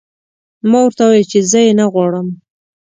ما ورته وویل چې زه یې نه غواړم